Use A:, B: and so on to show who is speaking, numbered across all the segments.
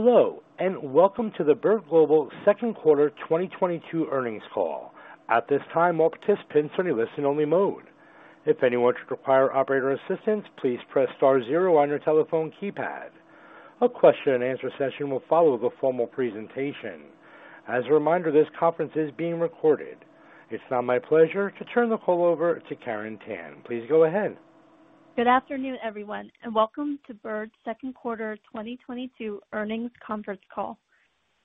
A: Hello, and welcome to the Bird Global Second Quarter 2022 earnings call. At this time, all participants are in a listen-only mode. If anyone should require operator assistance, please press star zero on your telephone keypad. A question and answer session will follow the formal presentation. As a reminder, this conference is being recorded. It's now my pleasure to turn the call over to Karen Tan. Please go ahead.
B: Good afternoon, everyone, and welcome to Bird's second quarter 2022 earnings conference call.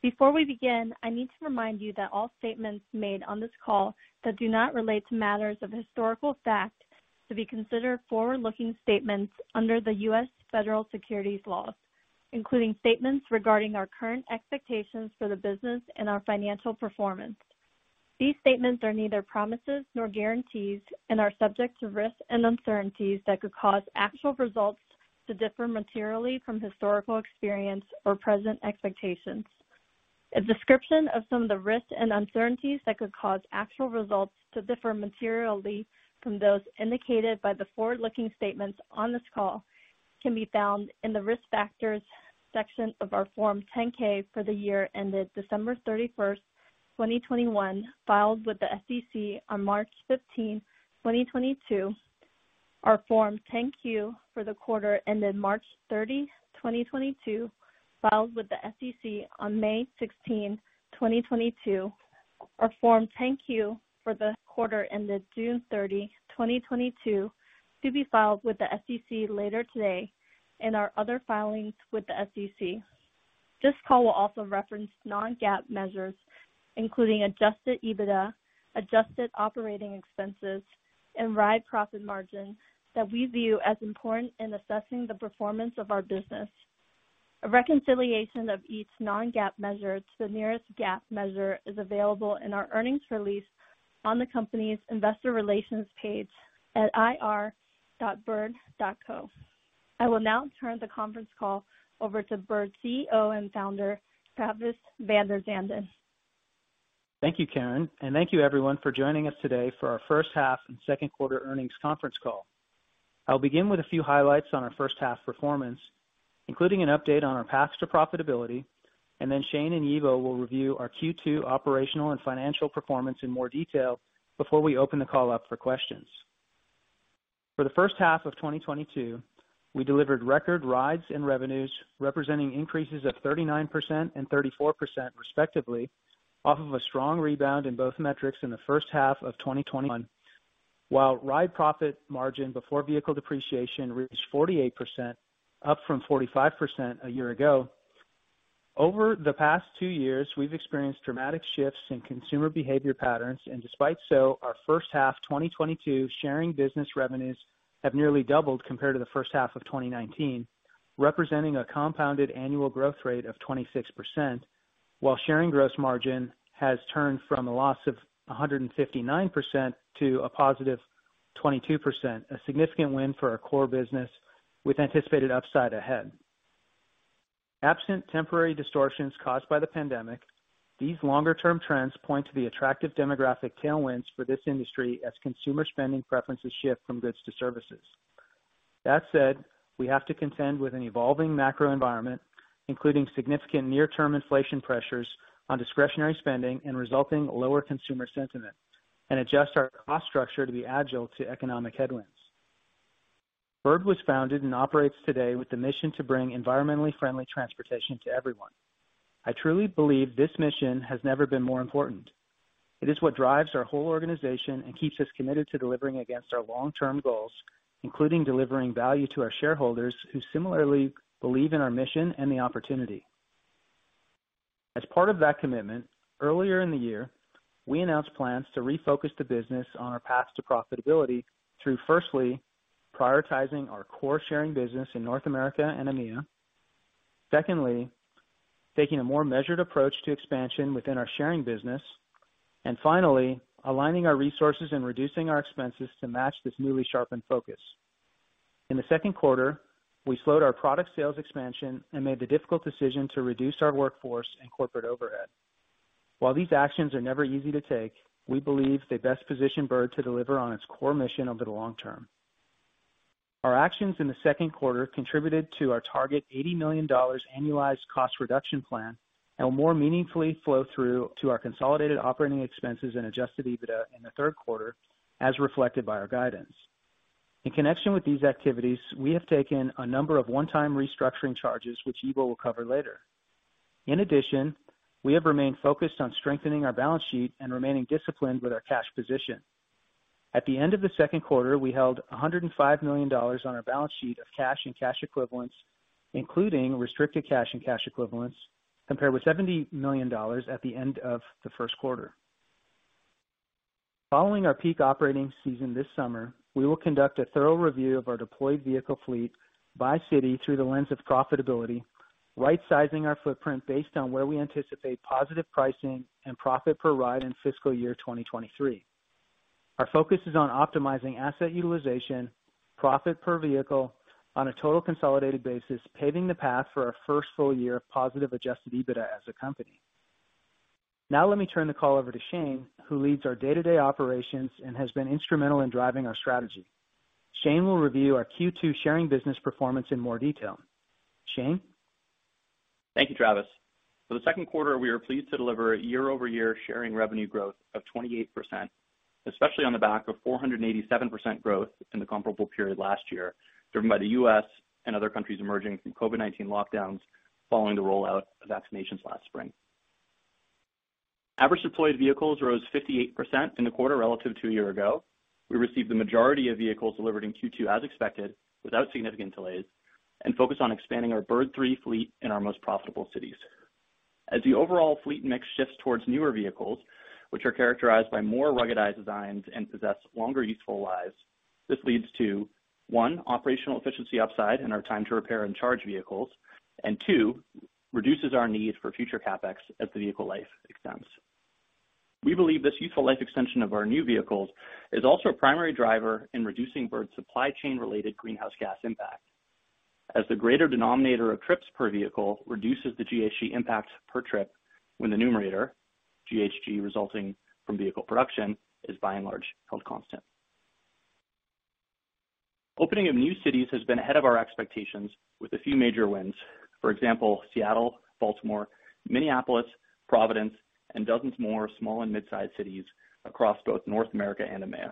B: Before we begin, I need to remind you that all statements made on this call that do not relate to matters of historical fact to be considered forward-looking statements under the U.S. Federal Securities Laws, including statements regarding our current expectations for the business and our financial performance. These statements are neither promises nor guarantees and are subject to risks and uncertainties that could cause actual results to differ materially from historical experience or present expectations. A description of some of the risks and uncertainties that could cause actual results to differ materially from those indicated by the forward-looking statements on this call can be found in the Risk Factors section of our Form 10-K for the year ended December 31st, 2021, filed with the SEC on March 15th, 2022, our Form 10-Q for the quarter ended March 30, 2022, filed with the SEC on May 16, 2022, our Form 10-Q for the quarter ended June 30, 2022, to be filed with the SEC later today and our other filings with the SEC. This call will also reference non-GAAP measures, including Adjusted EBITDA, Adjusted Operating Expenses, and Ride Profit Margin that we view as important in assessing the performance of our business. A reconciliation of each non-GAAP measure to the nearest GAAP measure is available in our earnings release on the company's investor relations page at ir.bird.co. I will now turn the conference call over to Bird's CEO and founder, Travis VanderZanden.
C: Thank you, Karen, and thank you everyone for joining us today for our first half and second quarter earnings conference call. I'll begin with a few highlights on our first half performance, including an update on our paths to profitability. Shane and Yibo will review our Q2 operational and financial performance in more detail before we open the call up for questions. For the first half of 2022, we delivered record rides and revenues, representing increases of 39% and 34% respectively, off of a strong rebound in both metrics in the first half of 2021. While Ride Profit Margin before vehicle depreciation reached 48%, up from 45% a year ago. Over the past two years, we've experienced dramatic shifts in consumer behavior patterns. Despite so, our first half 2022 sharing business revenues have nearly doubled compared to the first half of 2019, representing a compounded annual growth rate of 26%. While sharing gross margin has turned from a loss of 159% to a positive 22%, a significant win for our core business with anticipated upside ahead. Absent temporary distortions caused by the pandemic, these longer-term trends point to the attractive demographic tailwinds for this industry as consumer spending preferences shift from goods to services. That said, we have to contend with an evolving macro environment, including significant near-term inflation pressures on discretionary spending and resulting lower consumer sentiment, and adjust our cost structure to be agile to economic headwinds. Bird was founded and operates today with the mission to bring environmentally friendly transportation to everyone. I truly believe this mission has never been more important. It is what drives our whole organization and keeps us committed to delivering against our long-term goals, including delivering value to our shareholders who similarly believe in our mission and the opportunity. As part of that commitment, earlier in the year, we announced plans to refocus the business on our path to profitability through, firstly, prioritizing our core sharing business in North America and EMEA. Secondly, taking a more measured approach to expansion within our sharing business. And finally, aligning our resources and reducing our expenses to match this newly sharpened focus. In the second quarter, we slowed our product sales expansion and made the difficult decision to reduce our workforce and corporate overhead. While these actions are never easy to take, we believe they best position Bird to deliver on its core mission over the long term. Our actions in the second quarter contributed to our target $80 million annualized cost reduction plan and will more meaningfully flow through to our consolidated operating expenses and Adjusted EBITDA in the third quarter, as reflected by our guidance. In connection with these activities, we have taken a number of one-time restructuring charges, which Yibo will cover later. In addition, we have remained focused on strengthening our balance sheet and remaining disciplined with our cash position. At the end of the second quarter, we held $105 million on our balance sheet of cash and cash equivalents, including restricted cash and cash equivalents, compared with $70 million at the end of the first quarter. Following our peak operating season this summer, we will conduct a thorough review of our deployed vehicle fleet by city through the lens of profitability, rightsizing our footprint based on where we anticipate positive pricing and profit per ride in fiscal year 2023. Our focus is on optimizing asset utilization, profit per vehicle on a total consolidated basis, paving the path for our first full year of positive Adjusted EBITDA as a company. Now let me turn the call over to Shane, who leads our day-to-day operations and has been instrumental in driving our strategy. Shane will review our Q2 sharing business performance in more detail. Shane?
D: Thank you, Travis. For the second quarter, we were pleased to deliver year-over-year sharing revenue growth of 28%, especially on the back of 487% growth in the comparable period last year, driven by the U.S. and other countries emerging from COVID-19 lockdowns following the rollout of vaccinations last spring. Average deployed vehicles rose 58% in the quarter relative to a year ago. We received the majority of vehicles delivered in Q2 as expected, without significant delays, and focused on expanding our Bird Three fleet in our most profitable cities. As the overall fleet mix shifts towards newer vehicles, which are characterized by more ruggedized designs and possess longer useful lives, this leads to, one, operational efficiency upside in our time to repair and charge vehicles, and two, reduces our need for future CapEx as the vehicle life extends. We believe this useful life extension of our new vehicles is also a primary driver in reducing Bird's supply chain-related greenhouse gas impact. As the greater denominator of trips per vehicle reduces the GHG impact per trip when the numerator, GHG resulting from vehicle production, is by and large held constant. Opening of new cities has been ahead of our expectations with a few major wins. For example, Seattle, Baltimore, Minneapolis, Providence, and dozens more small and mid-sized cities across both North America and EMEA.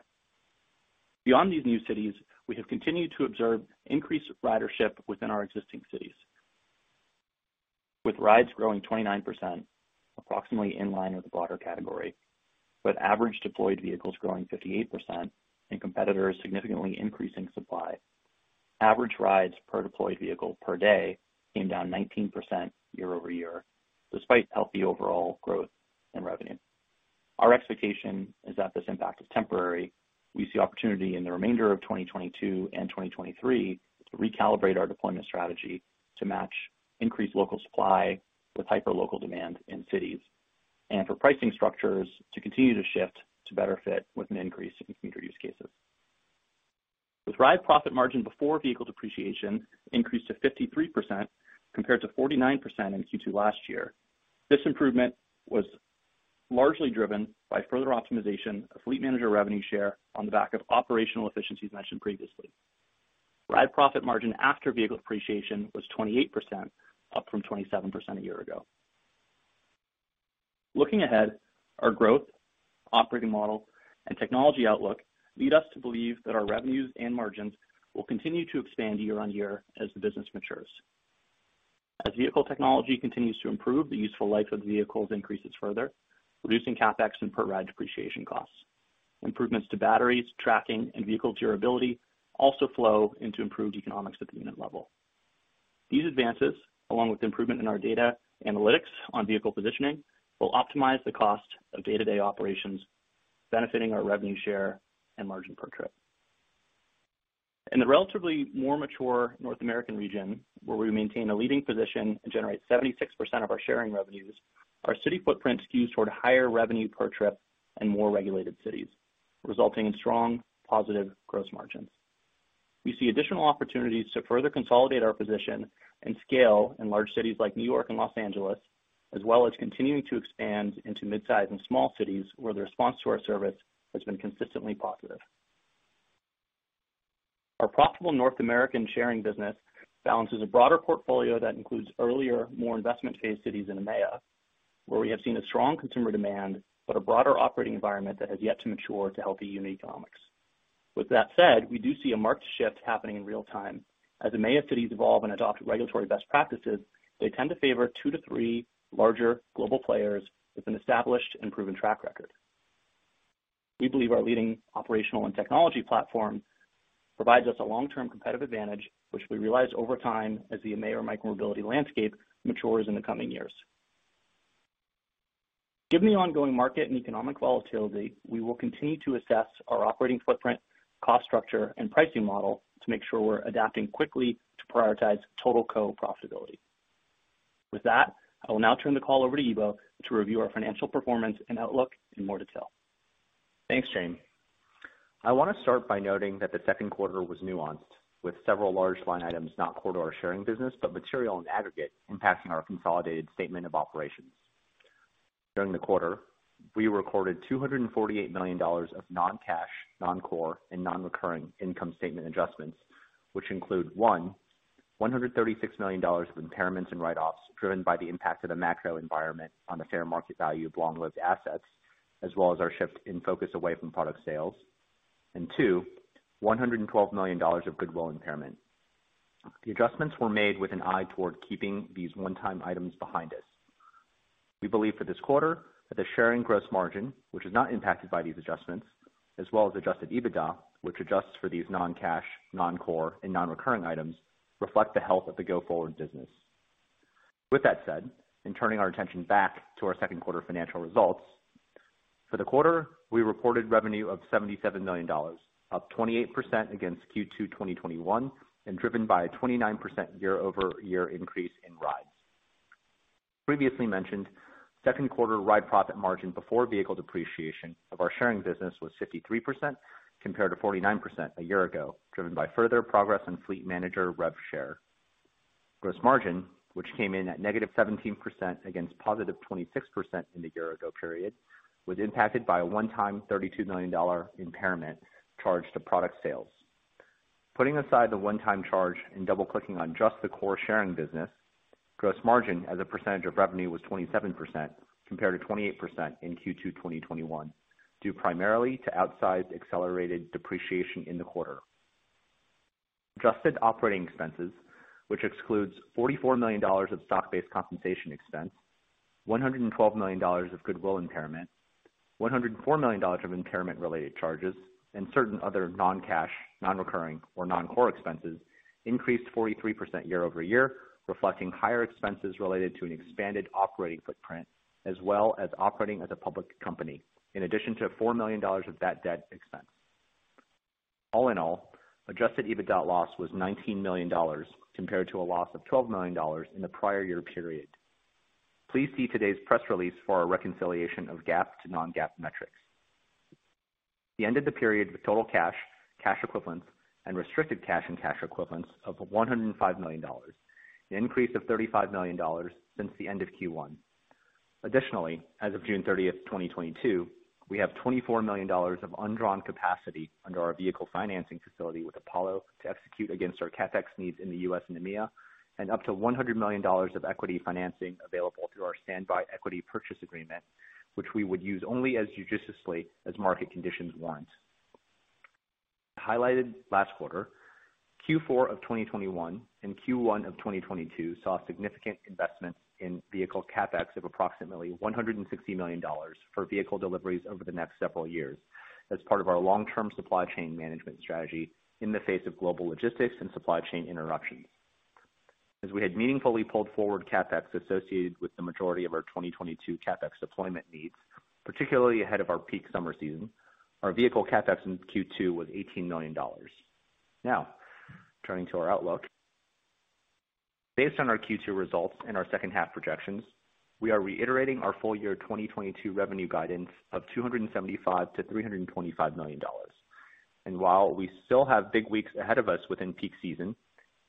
D: Beyond these new cities, we have continued to observe increased ridership within our existing cities. With rides growing 29%, approximately in line with the broader category, but average deployed vehicles growing 58% and competitors significantly increasing supply. Average rides per deployed vehicle per day came down 19% year-over-year, despite healthy overall growth in revenue. Our expectation is that this impact is temporary. We see opportunity in the remainder of 2022 and 2023 to recalibrate our deployment strategy to match increased local supply with hyper-local demand in cities, and for pricing structures to continue to shift to better fit with an increase in commuter use cases. With Ride Profit Margin before vehicle depreciation increased to 53% compared to 49% in Q2 last year. This improvement was largely driven by further optimization of fleet manager revenue share on the back of operational efficiencies mentioned previously. Ride Profit Margin after vehicle depreciation was 28%, up from 27% a year ago. Looking ahead, our growth, operating model, and technology outlook lead us to believe that our revenues and margins will continue to expand year-on-year as the business matures. As vehicle technology continues to improve, the useful life of the vehicles increases further, reducing CapEx and per-ride depreciation costs. Improvements to batteries, tracking, and vehicle durability also flow into improved economics at the unit level. These advances, along with improvement in our data analytics on vehicle positioning, will optimize the cost of day-to-day operations, benefiting our revenue share and margin per trip. In the relatively more mature North American region, where we maintain a leading position and generate 76% of our sharing revenues, our city footprint skews toward higher revenue per trip and more regulated cities, resulting in strong, positive gross margins. We see additional opportunities to further consolidate our position and scale in large cities like New York and Los Angeles, as well as continuing to expand into midsize and small cities where the response to our service has been consistently positive. Our profitable North American sharing business balances a broader portfolio that includes earlier, more investment-phase cities in EMEA, where we have seen a strong consumer demand but a broader operating environment that has yet to mature to healthy unit economics. With that said, we do see a marked shift happening in real-time. As EMEA cities evolve and adopt regulatory best practices, they tend to favor two to three larger global players with an established and proven track record. We believe our leading operational and technology platform provides us a long-term competitive advantage, which we realize over time as the EMEA micromobility landscape matures in the coming years. Given the ongoing market and economic volatility, we will continue to assess our operating footprint, cost structure, and pricing model to make sure we're adapting quickly to prioritize total profitability. With that, I will now turn the call over to Yibo to review our financial performance and outlook in more detail.
E: Thanks, Shane. I want to start by noting that the second quarter was nuanced, with several large line items not core to our sharing business, but material in aggregate impacting our consolidated statement of operations. During the quarter, we recorded $248 million of non-cash, non-core and non-recurring income statement adjustments, which include, one, $136 million of impairments and write-offs driven by the impact of the macro environment on the fair market value of long-lived assets, as well as our shift in focus away from product sales. Two, $112 million of goodwill impairment. The adjustments were made with an eye toward keeping these one-time items behind us. We believe for this quarter that the sharing gross margin, which is not impacted by these adjustments, as well as Adjusted EBITDA, which adjusts for these non-cash, non-core and non-recurring items, reflect the health of the go-forward business. With that said, in turning our attention back to our second quarter financial results. For the quarter, we reported revenue of $77 million, up 28% against Q2 2021 and driven by a 29% year-over-year increase in rides. Previously mentioned, second quarter Ride Profit Margin before vehicle depreciation of our sharing business was 53% compared to 49% a year ago, driven by further progress in fleet manager rev share. Gross margin, which came in at -17% against +26% in the year ago period, was impacted by a one-time $32 million impairment charge to product sales. Putting aside the one-time charge and double-clicking on just the core sharing business, gross margin as a percentage of revenue was 27% compared to 28% in Q2 2021, due primarily to outsized accelerated depreciation in the quarter. Adjusted Operating Expenses, which excludes $44 million of stock-based compensation expense, $112 million of goodwill impairment, $104 million of impairment related charges, and certain other non-cash, non-recurring or non-core expenses increased 43% year-over-year, reflecting higher expenses related to an expanded operating footprint as well as operating as a public company, in addition to $4 million of that debt expense. All in all, Adjusted EBITDA loss was $19 million compared to a loss of $12 million in the prior year period. Please see today's press release for a reconciliation of GAAP to non-GAAP metrics. We ended the period with total cash equivalents and restricted cash and cash equivalents of $105 million, an increase of $35 million since the end of Q1. Additionally, as of June 30, 2022, we have $24 million of undrawn capacity under our vehicle financing facility with Apollo to execute against our CapEx needs in the U.S. and EMEA, and up to $100 million of equity financing available through our standby equity purchase agreement, which we would use only as judiciously as market conditions want. Highlighted last quarter, Q4 of 2021 and Q1 of 2022 saw significant investment in vehicle CapEx of approximately $160 million for vehicle deliveries over the next several years as part of our long-term supply chain management strategy in the face of global logistics and supply chain interruptions. As we had meaningfully pulled forward CapEx associated with the majority of our 2022 CapEx deployment needs, particularly ahead of our peak summer season, our vehicle CapEx in Q2 was $18 million. Now, turning to our outlook. Based on our Q2 results and our second half projections, we are reiterating our full year 2022 revenue guidance of $275 million-$325 million. While we still have big weeks ahead of us within peak season,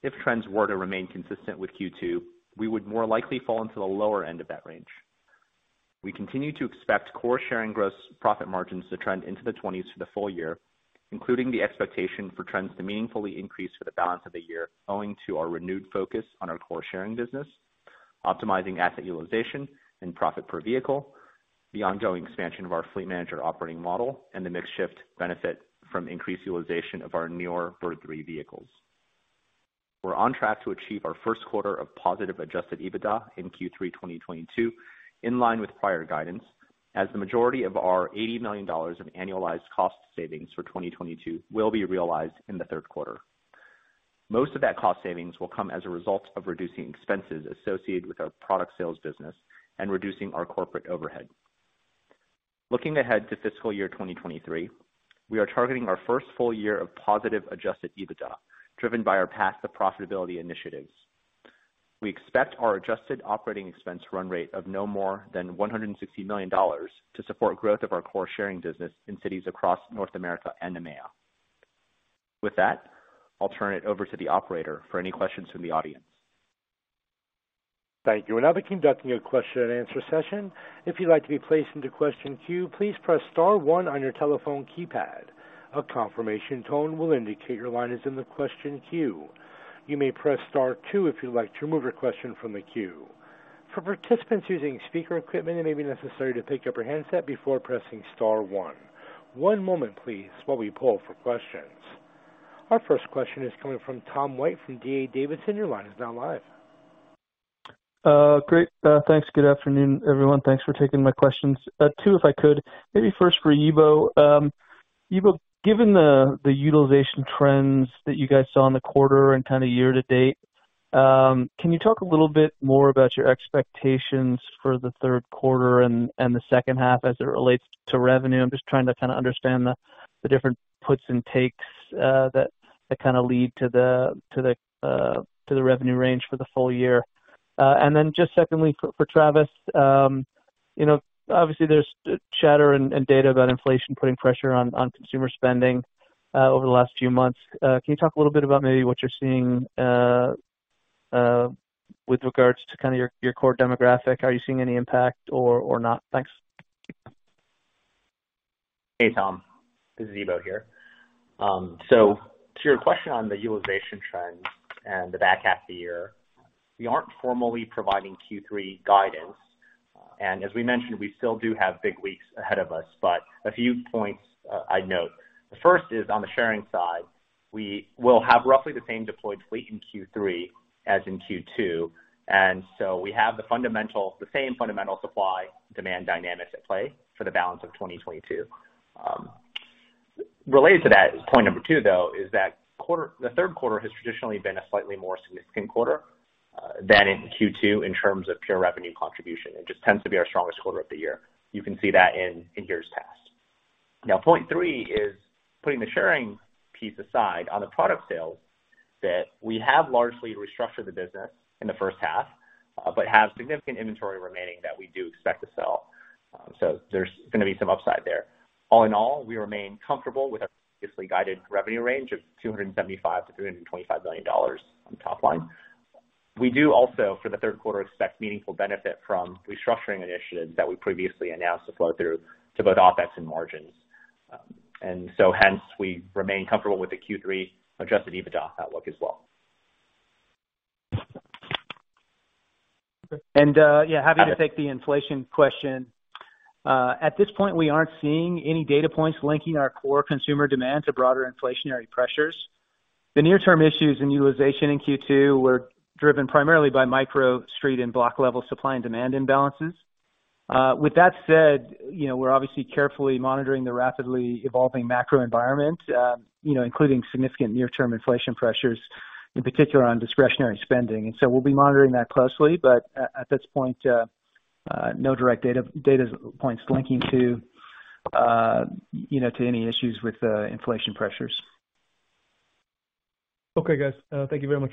E: if trends were to remain consistent with Q2, we would more likely fall into the lower end of that range. We continue to expect core sharing gross profit margins to trend into the 20s for the full year, including the expectation for trends to meaningfully increase for the balance of the year, owing to our renewed focus on our core sharing business, optimizing asset utilization and profit per vehicle, the ongoing expansion of our fleet manager operating model, and the mix shift benefit from increased utilization of our newer Bird Three vehicles. We're on track to achieve our first quarter of positive Adjusted EBITDA in Q3 2022, in line with prior guidance as the majority of our $80 million of annualized cost savings for 2022 will be realized in the third quarter. Most of that cost savings will come as a result of reducing expenses associated with our product sales business and reducing our corporate overhead. Looking ahead to fiscal year 2023, we are targeting our first full year of positive Adjusted EBITDA driven by our path to profitability initiatives. We expect our Adjusted Operating Expenses run rate of no more than $160 million to support growth of our core sharing business in cities across North America and EMEA. With that, I'll turn it over to the operator for any questions from the audience.
A: Thank you. We're now conducting a question and answer session. If you'd like to be placed into question queue, please press star one on your telephone keypad. A confirmation tone will indicate your line is in the question queue. You may press star two if you'd like to remove your question from the queue. For participants using speaker equipment, it may be necessary to pick up your handset before pressing star one. One moment please while we pull for questions. Our first question is coming from Tom White from D.A. Davidson. Your line is now live.
F: Great. Thanks. Good afternoon, everyone. Thanks for taking my questions. Two, if I could. Maybe first for Yibo. Yibo, given the utilization trends that you guys saw in the quarter and kind of year to date, can you talk a little bit more about your expectations for the third quarter and the second half as it relates to revenue? I'm just trying to kinda understand the different puts and takes that kinda lead to the revenue range for the full year. Then just secondly, for Travis, you know, obviously there's chatter and data about inflation putting pressure on consumer spending over the last few months. Can you talk a little bit about maybe what you're seeing with regards to kinda your core demographic? Are you seeing any impact or not? Thanks.
E: Hey, Tom, this is Yibo here. To your question on the utilization trends and the back half of the year, we aren't formally providing Q3 guidance. As we mentioned, we still do have big weeks ahead of us, but a few points, I'd note. The first is on the sharing side. We will have roughly the same deployed fleet in Q3 as in Q2, and so we have the same fundamental supply demand dynamics at play for the balance of 2022. Related to that is point number two, though, that the third quarter has traditionally been a slightly more significant quarter than in Q2 in terms of pure revenue contribution. It just tends to be our strongest quarter of the year. You can see that in years past. Now, point three is putting the sharing piece aside on the product sales that we have largely restructured the business in the first half, but have significant inventory remaining that we do expect to sell. There's gonna be some upside there. All in all, we remain comfortable with our previously guided revenue range of $275 million-$325 million on the top line. We do also, for the third quarter, expect meaningful benefit from restructuring initiatives that we previously announced to flow through to both OpEx and margins. Hence, we remain comfortable with the Q3 Adjusted EBITDA outlook as well.
F: Okay.
C: Yeah, happy to take the inflation question. At this point, we aren't seeing any data points linking our core consumer demand to broader inflationary pressures. The near-term issues in utilization in Q2 were driven primarily by micromobility street and block-level supply and demand imbalances. With that said, you know, we're obviously carefully monitoring the rapidly evolving macro environment, you know, including significant near-term inflation pressures, in particular on discretionary spending. We'll be monitoring that closely, but at this point, no direct data points linking to, you know, to any issues with inflation pressures.
F: Okay, guys. Thank you very much.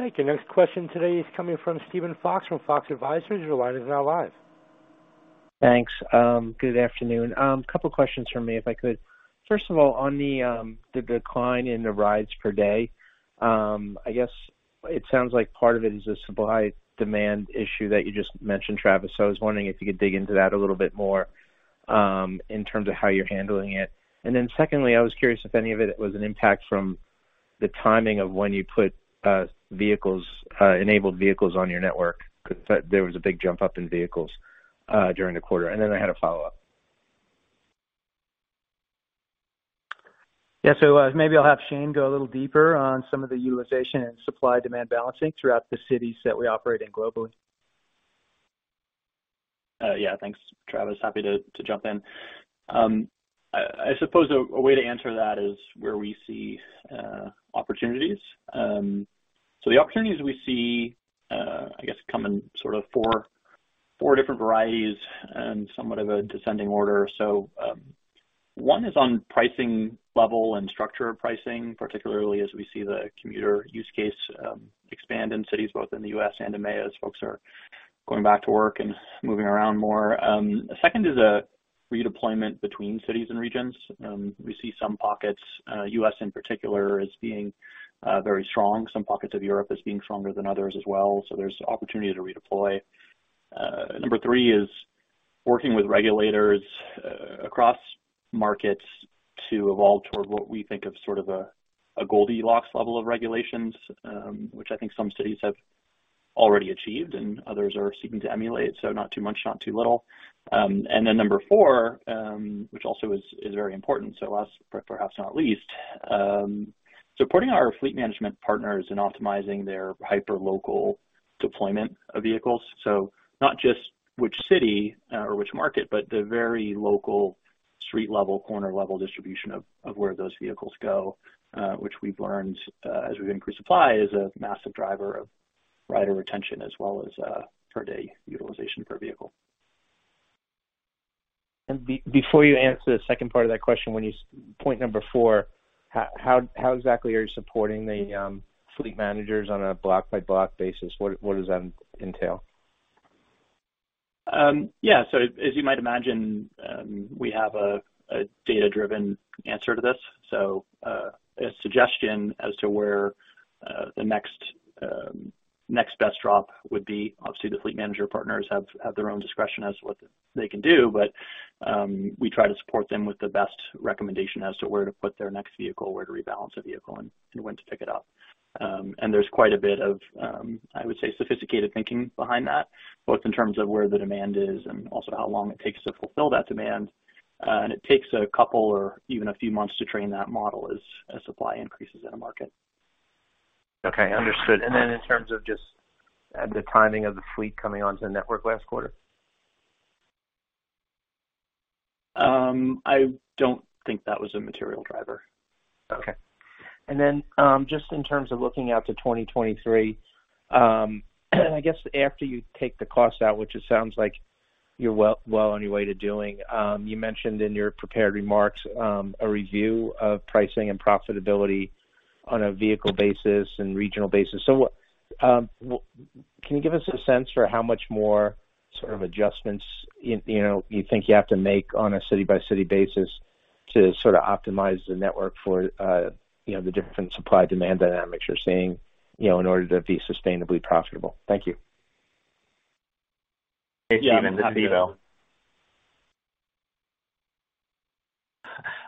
A: Thank you. Next question today is coming from Steven Fox from Fox Advisors. Your line is now live.
G: Thanks. Good afternoon. Couple questions from me, if I could. First of all, on the decline in the rides per day, I guess it sounds like part of it is a supply-demand issue that you just mentioned, Travis. I was wondering if you could dig into that a little bit more, in terms of how you're handling it. Secondly, I was curious if any of it was an impact from the timing of when you put enabled vehicles on your network. 'Cause there was a big jump up in vehicles during the quarter. I had a follow-up.
C: Yeah. Maybe I'll have Shane go a little deeper on some of the utilization and supply-demand balancing throughout the cities that we operate in globally.
D: Yeah. Thanks, Travis. Happy to jump in. I suppose a way to answer that is where we see opportunities. The opportunities we see, I guess, come in sort of four different varieties and somewhat of a descending order. One is on pricing level and structure of pricing, particularly as we see the commuter use case expand in cities both in the U.S. and EMEA, as folks are going back to work and moving around more. Second is a redeployment between cities and regions. We see some pockets, U.S. in particular, as being very strong. Some pockets of Europe as being stronger than others as well. There's opportunity to redeploy. Number three is working with regulators across markets to evolve toward what we think of sort of a Goldilocks level of regulations, which I think some cities have already achieved and others are seeking to emulate. Not too much, not too little. Number four, which also is very important, so last, but perhaps not least, supporting our fleet management partners in optimizing their hyper-local deployment of vehicles. Not just which city or which market, but the very local street-level, corner-level distribution of where those vehicles go, which we've learned, as we've increased supply, is a massive driver of rider retention as well as per-day utilization per vehicle.
G: Before you answer the second part of that question, when you point number four, how exactly are you supporting the fleet managers on a block-by-block basis? What does that entail?
D: Yeah. As you might imagine, we have a data-driven answer to this. A suggestion as to where the next best drop would be. Obviously, the fleet manager partners have their own discretion as to what they can do, but we try to support them with the best recommendation as to where to put their next vehicle, where to rebalance a vehicle and when to pick it up. There's quite a bit of, I would say, sophisticated thinking behind that, both in terms of where the demand is and also how long it takes to fulfill that demand. It takes a couple or even a few months to train that model as supply increases in a market.
G: Okay, understood. In terms of just, the timing of the fleet coming onto the network last quarter?
D: I don't think that was a material driver.
G: Okay. Just in terms of looking out to 2023, I guess after you take the cost out, which it sounds like you're well on your way to doing, you mentioned in your prepared remarks, a review of pricing and profitability on a vehicle basis and regional basis. Can you give us a sense for how much more sort of adjustments, you know, you think you have to make on a city-by-city basis to sort of optimize the network for, you know, the different supply-demand dynamics you're seeing, you know, in order to be sustainably profitable? Thank you.
E: Hey, Steven. This is Yibo.
D: Yeah.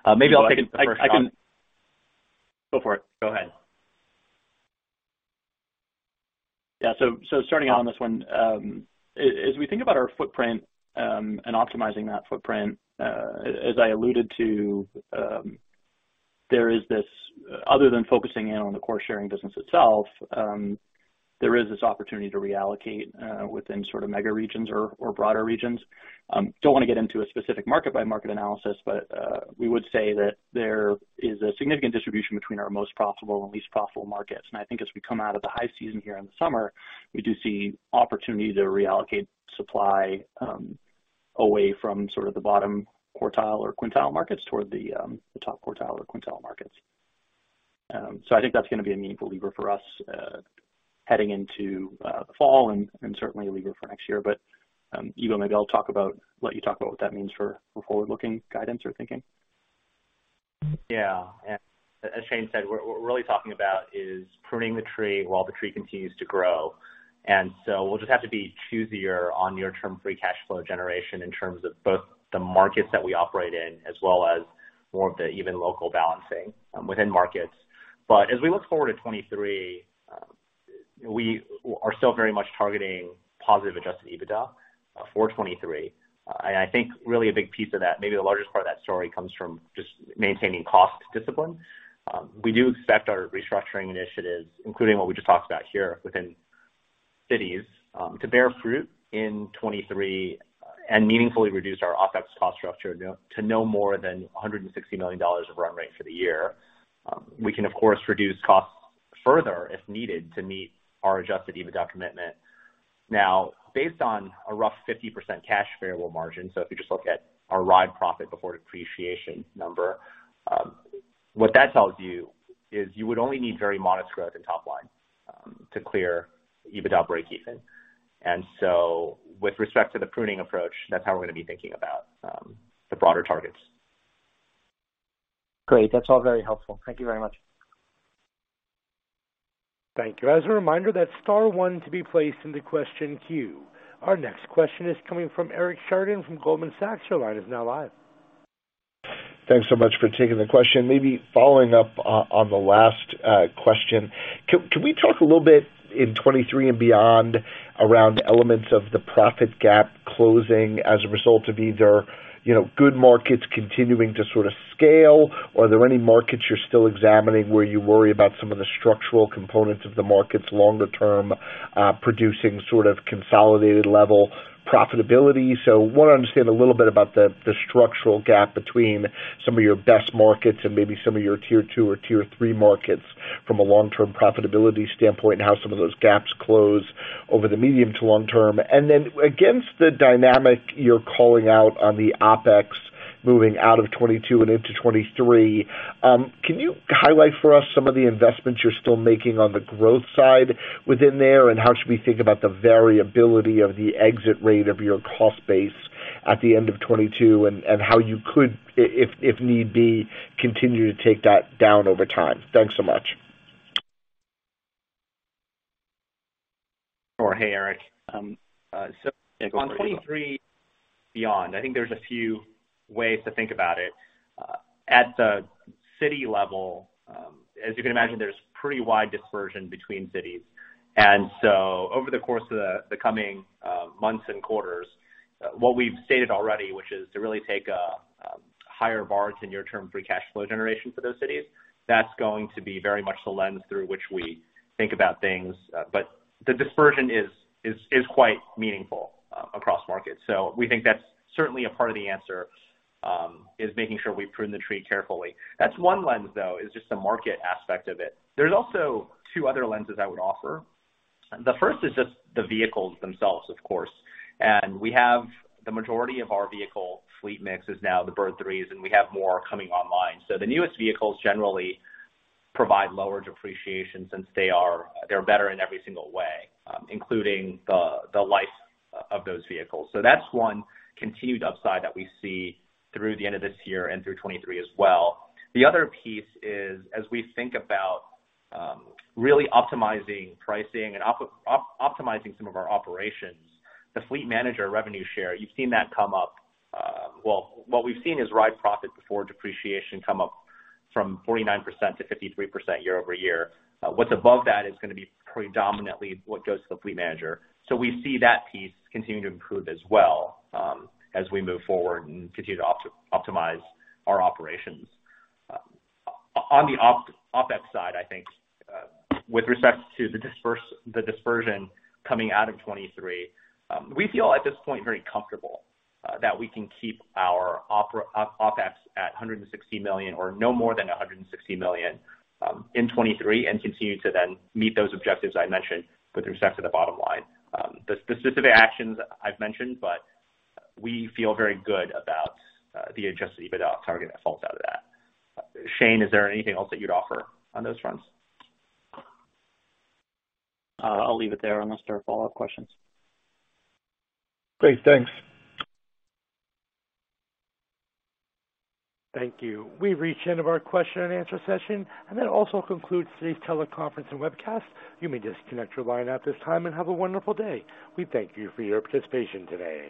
D: I'm happy to.
E: Maybe I'll take the first shot.
D: Go for it. Go ahead. Yeah. Starting out on this one, as we think about our footprint and optimizing that footprint, as I alluded to, other than focusing in on the core sharing business itself, there is this opportunity to reallocate within sort of mega regions or broader regions. Don't wanna get into a specific market-by-market analysis, but we would say that there is a significant distribution between our most profitable and least profitable markets. I think as we come out of the high season here in the summer, we do see opportunity to reallocate supply away from sort of the bottom quartile or quintile markets toward the top quartile or quintile markets. I think that's gonna be a meaningful lever for us, heading into the fall and certainly a lever for next year. Yibo, maybe let you talk about what that means for forward-looking guidance or thinking.
E: Yeah. As Shane said, what we're really talking about is pruning the tree while the tree continues to grow. We'll just have to be choosier on near-term free cash flow generation in terms of both the markets that we operate in, as well as more of the even local balancing within markets. As we look forward to 2023, we are still very much targeting positive Adjusted EBITDA for 2023. I think really a big piece of that, maybe the largest part of that story comes from just maintaining cost discipline. We do expect our restructuring initiatives, including what we just talked about here within cities, to bear fruit in 2023 and meaningfully reduce our OpEx cost structure to no more than $160 million of run rate for the year. We can, of course, reduce costs further if needed to meet our Adjusted EBITDA commitment. Now, based on a rough 50% cash variable margin, so if you just look at our ride profit before depreciation number, what that tells you is you would only need very modest growth in top line to clear EBITDA breakeven. With respect to the pruning approach, that's how we're gonna be thinking about the broader targets.
G: Great. That's all very helpful. Thank you very much.
A: Thank you. As a reminder, that's star one to be placed in the question queue. Our next question is coming from Eric Sheridan from Goldman Sachs. Your line is now live.
H: Thanks so much for taking the question. Maybe following up on the last question. Can we talk a little bit in 2023 and beyond around elements of the profit gap closing as a result of either, you know, good markets continuing to sort of scale? Are there any markets you're still examining where you worry about some of the structural components of the markets longer term producing sort of consolidated level profitability? Wanna understand a little bit about the structural gap between some of your best markets and maybe some of your tier two or tier three markets from a long-term profitability standpoint, and how some of those gaps close over the medium to long term? Against the dynamic you're calling out on the OpEx moving out of 2022 and into 2023, can you highlight for us some of the investments you're still making on the growth side within there? How should we think about the variability of the exit rate of your cost base at the end of 2022 and how you could, if need be, continue to take that down over time? Thanks so much.
E: Sure. Hey, Eric. On 2023 and beyond, I think there's a few ways to think about it. At the city level, as you can imagine, there's pretty wide dispersion between cities. Over the course of the coming months and quarters, what we've stated already, which is to really take a higher bar to near-term free cash flow generation for those cities, that's going to be very much the lens through which we think about things. But the dispersion is quite meaningful across markets. We think that's certainly a part of the answer is making sure we prune the tree carefully. That's one lens, though, is just the market aspect of it. There's also two other lenses I would offer. The first is just the vehicles themselves, of course. We have the majority of our vehicle fleet mix is now the Bird Threes, and we have more coming online. The newest vehicles generally provide lower depreciation since they're better in every single way, including the life of those vehicles. That's one continued upside that we see through the end of this year and through 2023 as well. The other piece is, as we think about really optimizing pricing and optimizing some of our operations, the fleet manager revenue share, you've seen that come up. What we've seen is ride profit before depreciation come up from 49% to 53% year-over-year. What's above that is gonna be predominantly what goes to the fleet manager. We see that piece continuing to improve as well, as we move forward and continue to optimize our operations. On the OpEx side, I think, with respect to the dispersion coming out of 2023, we feel at this point very comfortable that we can keep our OpEx at $160 million or no more than $160 million in 2023, and continue to then meet those objectives I mentioned with respect to the bottom line. The specific actions I've mentioned, but we feel very good about the Adjusted EBITDA target that falls out of that. Shane, is there anything else that you'd offer on those fronts?
D: I'll leave it there unless there are follow-up questions.
H: Great. Thanks.
A: Thank you. We've reached the end of our question and answer session, and that also concludes today's teleconference and webcast. You may disconnect your line at this time and have a wonderful day. We thank you for your participation today.